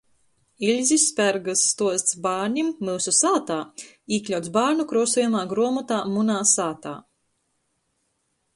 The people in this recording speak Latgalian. Ilzis Spergys stuosts bārnim „Myusu sātā” īkļauts bārnu kruosojamā gruomotā „Munā sātā”.